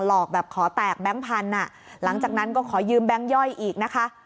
แบบขอแตกแก๊งพันธุ์หลังจากนั้นก็ขอยืมแบงค์ย่อยอีกนะคะ